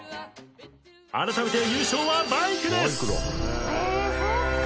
あらためて優勝はバイクです！